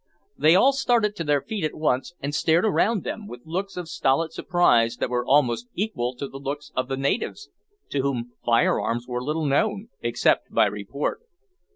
They all started to their feet at once, and stared around them with looks of stolid surprise that were almost equal to the looks of the natives, to whom fire arms were little known, except by report.